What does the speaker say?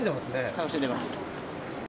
楽しんでます。